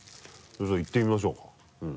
じゃあいってみましょうか。